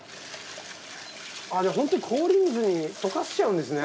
ホントに氷水に溶かしちゃうんですね。